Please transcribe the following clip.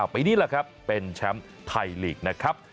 ปีนี้แหละครับเป็นแชมป์ไทยลีกนะครับ